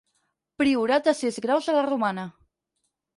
Priorat de sis graus a la romana.